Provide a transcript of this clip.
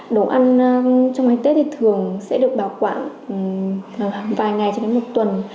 đồ ăn trong ngày tết thì thường sẽ được bảo quản vài ngày cho đến một tuần